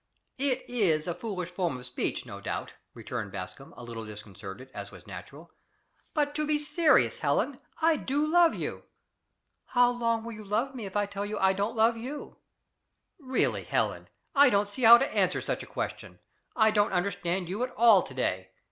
"It IS a foolish form of speech, no doubt," returned Bascombe, a little disconcerted, as was natural. " But to be serious, Helen, I do love you." "How long will you love me if I tell you I don't love you?" "Really, Helen, I don't see how to answer such a question. I don't understand you at all to day!